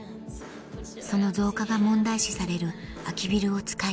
その増加が問題視される空きビルを使い